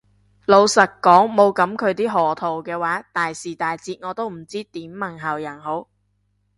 老實講冇噉佢啲賀圖嘅話，大時大節我都唔知點問候人好